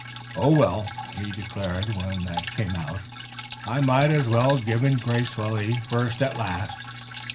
"Oh, well," he had declared when that came out, "I might as well give in gracefully first as last."